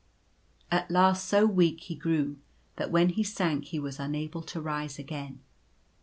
At last so weak he grew that when he sank he was unable to rise again.